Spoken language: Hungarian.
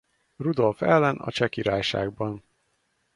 Rudolf ellen a Cseh Királyságban.